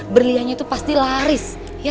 berliannya tuh pasti laris